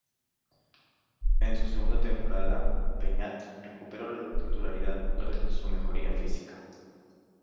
En su segunda temporada, Beñat recuperó la titularidad gracias a su mejoría física.